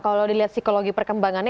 kalau dilihat psikologi perkembangannya